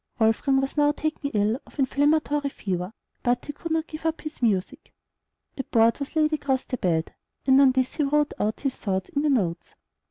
Wolfgang was now taken ill of inflammatory fever; but he could not give up his music. A board was laid across the bed, and on this he wrote out his thoughts in the notes.